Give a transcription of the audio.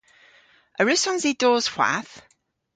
A wrussons i dos hwath?